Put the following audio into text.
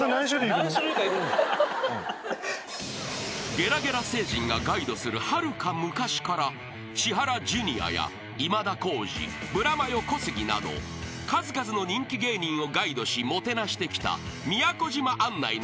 ［ゲラゲラ星人がガイドするはるか昔から千原ジュニアや今田耕司ブラマヨ小杉など数々の人気芸人をガイドしもてなしてきた］